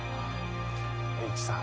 栄一さん。